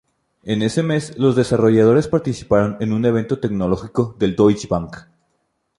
En ese mes, los desarrolladores participaron en un evento tecnológico de Deutsche Bank.